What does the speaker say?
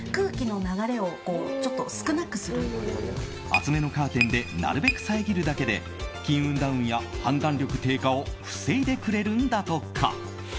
厚めのカーテンでなるべく遮るだけで金運ダウンや判断力低下を防いでくれるんだとか。